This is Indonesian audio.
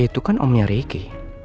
itu kan omnya ricky